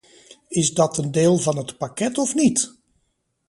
Is dat een deel van het pakket of niet?